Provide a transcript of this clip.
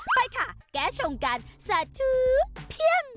ไปค่ะแก้ชงกันสาธุเพียม